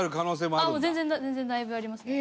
もう全然だいぶありますね。